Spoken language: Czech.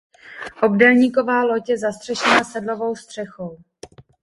Obdélníková loď je zastřešena sedlovou střechou.